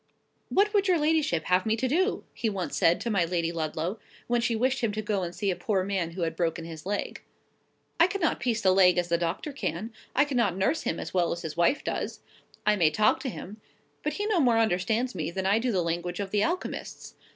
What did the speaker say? "What would your ladyship have me to do?" he once said to my Lady Ludlow, when she wished him to go and see a poor man who had broken his leg. "I cannot piece the leg as the doctor can; I cannot nurse him as well as his wife does; I may talk to him, but he no more understands me than I do the language of the alchemists.